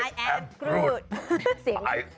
มันพูดอยู่แค่ประโยคเดียวตามันคือ